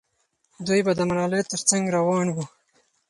دوی به د ملالۍ تر څنګ روان وو.